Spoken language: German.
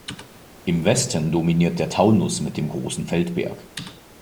Im Westen dominiert der Taunus mit dem Großen Feldberg.